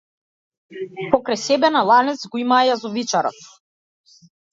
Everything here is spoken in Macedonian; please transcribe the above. Покрај себе на ланец го има јазовичарот.